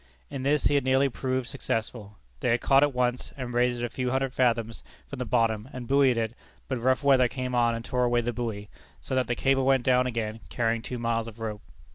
In this he had nearly proved successful. They had caught it once, and raised it a few hundred fathoms from the bottom, and buoyed it, but rough weather came on and tore away the buoy, so that the cable went down again, carrying two miles of rope.